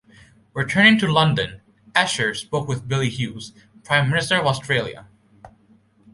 Returning to London Esher spoke with Billy Hughes, Prime Minister of Australia.